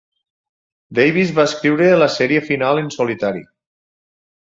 Davis va escriure la sèrie final en solitari.